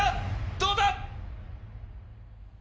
⁉どうだ